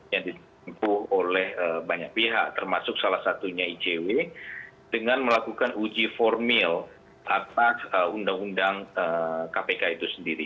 yang ditempuh oleh banyak pihak termasuk salah satunya icw dengan melakukan uji formil atas undang undang kpk itu sendiri